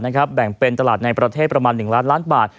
แบ่งเป็นตลาดในประเทศประมาณ๑ล้านล้านบาท